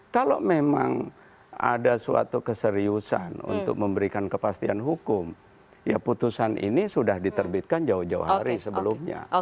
kalau memang ada suatu keseriusan untuk memberikan kepastian hukum ya putusan ini sudah diterbitkan jauh jauh hari sebelumnya